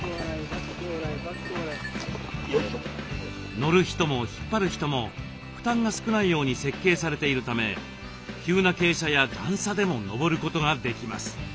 乗る人も引っ張る人も負担が少ないように設計されているため急な傾斜や段差でも登ることができます。